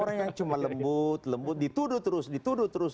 orang yang cuma lembut lembut dituduh terus dituduh terus